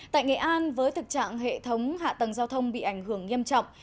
tại nghệ an với thực trạng hệ thống hạ tầng giao thông bị ảnh hưởng nghiêm trọng